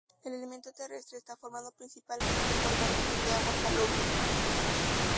El elemento terrestre está formado principalmente por marismas de agua salobre.